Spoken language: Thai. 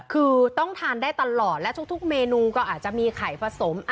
คือต้องทานได้ตลอดและทุกเมนูก็อาจจะมีไข่ผสม